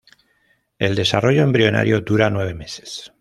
El desarrollo embrionario dura nueve meses.